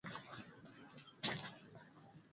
Namtumainia Mungu aliye mbinguni.